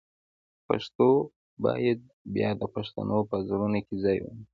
پښتو باید بیا د پښتنو په زړونو کې ځای ونیسي.